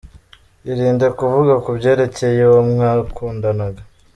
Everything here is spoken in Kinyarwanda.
Irinde kuvuga ku byerekeye uwo mwakundanaga